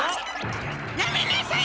やめなさい！